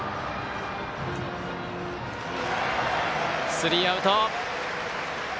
スリーアウト。